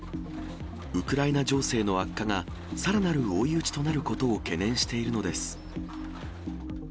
ウクライナ情勢の悪化が、さらなる追い打ちとなることを懸念しているのです。